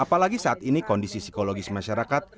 apalagi saat ini kondisi psikologis masyarakat